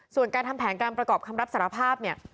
ส่วนการทำแผนการประกอบคำรับสารภาพเนี่ย